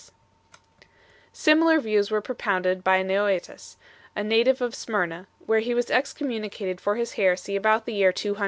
119 Similar views were propounded by Noetus 1 , a native of Smyrna, where he was excommunicated for his heresy about the year 200.